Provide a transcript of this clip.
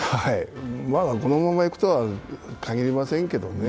まあ、このままいくとは限りませんけどね。